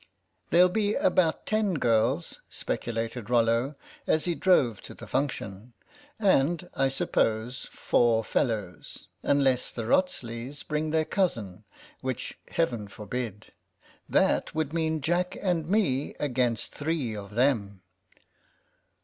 There'll be about ten girls," speculated Rollo, as he drove to the function, *'and I suppose four fellows, unless the Wrotsleys bring their cousin, which Heaven forbid. That would mean Jack and me against three of them."